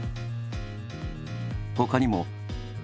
ほかにも。